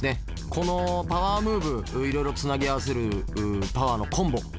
このパワームーブいろいろつなぎ合わせるパワーのコンボ